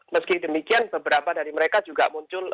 meski demikian beberapa dari mereka juga muncul